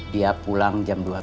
dia pulang jam dua belas